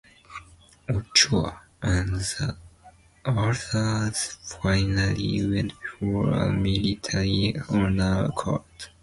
Ochoa and the others finally went before a Military Honour Court.